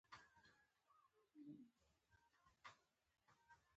د فاضله توکي طرحه کول یو له ډیرو مهمو عملیو څخه دي.